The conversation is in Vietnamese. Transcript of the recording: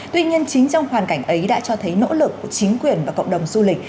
tuy nhiên chính trong hoàn cảnh ấy đã cho thấy nỗ lực của chính quyền và cộng đồng du lịch